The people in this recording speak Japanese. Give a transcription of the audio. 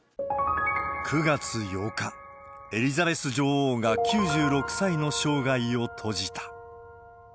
９月８日、エリザベス女王が９６歳の生涯を閉じた。